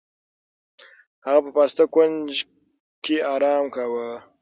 هغه په پاسته کوچ کې ارام کاوه.